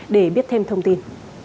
để biết thêm thông tin